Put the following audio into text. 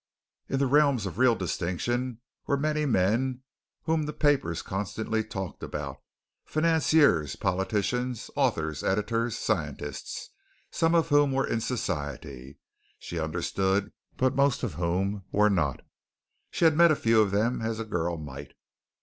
In the realms of real distinction were many men whom the papers constantly talked about, financiers, politicians, authors, editors, scientists, some of whom were in society, she understood, but most of whom were not. She had met a few of them as a girl might.